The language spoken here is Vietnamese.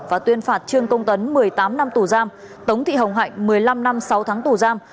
và tuyên phạt trương công tấn một mươi tám năm tù giam tống thị hồng hạnh một mươi năm năm sáu tháng tù giam